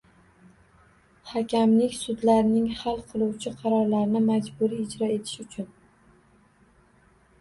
Hakamlik sudlarining hal qiluv qarorlarini majburiy ijro etish uchun